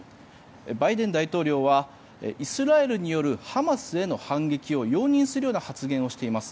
バイデン大統領はイスラエルによるハマスへの反撃を容認するような発言をしています。